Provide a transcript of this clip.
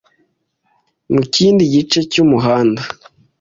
mu kindi gice cy umuhanda